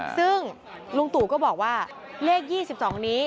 ซึ่งลุงตู่ก็บอกว่าเลข๒๒นี้